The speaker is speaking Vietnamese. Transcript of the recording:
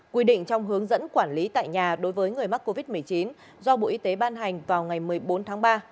quy định trong hướng dẫn quản lý tại nhà đối với người mắc covid một mươi chín do bộ y tế ban hành vào ngày một mươi bốn tháng ba